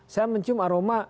saya mencium aroma